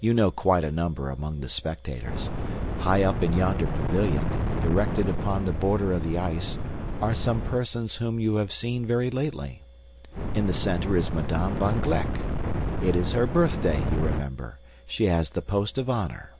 You know quite a number among the spectators. High up in yonder pavilion, erected upon the border of the ice, are some persons whom you have seen very lately. In the center is Madame van Gleck. It is her birthday, you remember; she has the post of honor.